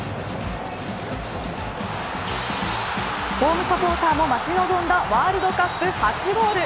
ホームサポーターも待ち望んだワールドカップ初ゴール。